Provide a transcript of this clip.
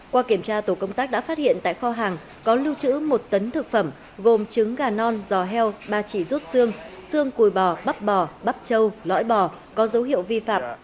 qua kiểm tra tổ công tác đã phát hiện tại kho hàng có lưu trữ một tấn thực phẩm gồm trứng gà non giò heo ba chỉ rút xương xương bò bắp bò bắp châu lõi bò có dấu hiệu vi phạm